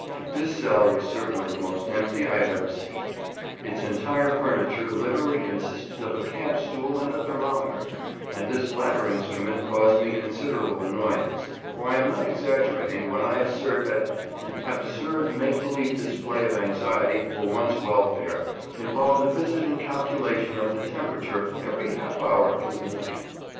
This cell was certainly the most empty I had ever seen; its entire furniture literally consisted of a camp stool and a thermometer, and this latter instrument caused me considerable annoyance, for I am not exaggerating when I assert that an absurd make believe display of anxiety for one's welfare involved a visit and calculation of the temperature every half hour through the night.